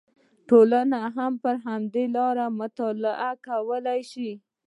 ټولنه هم پر همدې لاره مطالعه کولی شو